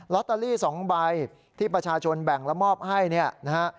ลอตเตอรี่๒ใบที่ประชาชนแบ่งและมอบให้เนี่ยนะฮะ